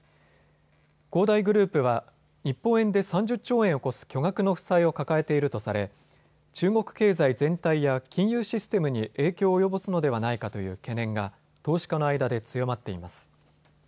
恒大グループは日本円で３０兆円を超す巨額の負債を抱えているとされ中国経済全体や金融システムに影響を及ぼすのではないかという懸念が投資家の間で強まっています。